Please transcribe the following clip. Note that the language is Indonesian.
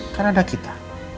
kan ada kita